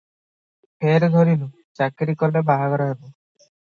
ଫେର ଧରିଲୁ, ଚାକିରି କଲେ ବାହାଘର ହେବ ।